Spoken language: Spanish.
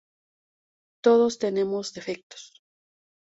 Todos tenemos defectos!!